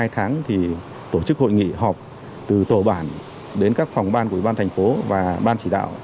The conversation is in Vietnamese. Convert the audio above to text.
hai tháng thì tổ chức hội nghị họp từ tổ bản đến các phòng ban của ủy ban thành phố và ban chỉ đạo